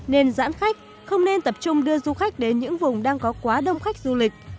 nên giãn khách không nên tập trung đưa du khách đến những vùng đang có quá đông khách du lịch